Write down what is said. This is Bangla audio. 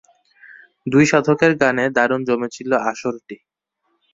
দুই সাধকের গানে দারুণ জমেছিল আসরটি।